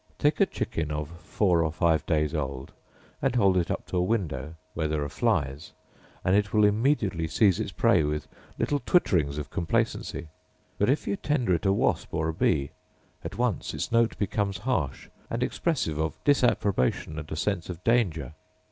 Take a chicken of four or five days old, and hold it up to a window where there are flies, and it will immediately seize its prey, with little twitterings of complacency; but if you tender it a wasp or a bee, at once its note becomes harsh, and expressive of disapprobation and a sense of danger.